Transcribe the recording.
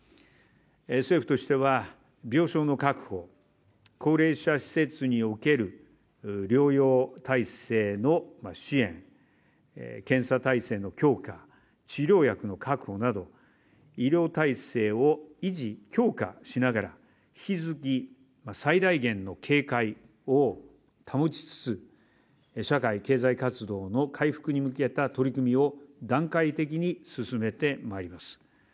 政府としては、病床の確保、高齢者施設における療養体制の支援、検査体制の強化、治療薬の確保など医療体制を維持、強化しながら引き続き最大限の警戒を保ちつつ、社会経済活動の回復に向けた取り組みを段階的に進めてまいります。